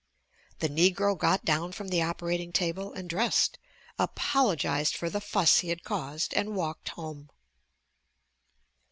The negro got down from the operating table and dressed, apologized for the fuss he had caused and walked home!